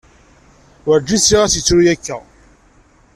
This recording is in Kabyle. Wurǧin sliɣ-as yettru akka.